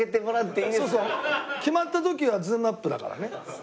決まった時はズームアップだからね。